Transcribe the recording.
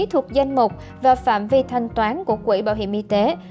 thuộc danh mục và phạm vi thanh toán của quỹ bảo hiểm y tế